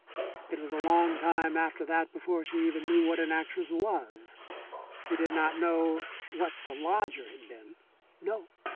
It was a long time after that before she knew even what an actress was. She did not know what the lodger had been. No.